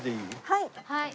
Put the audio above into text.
はい。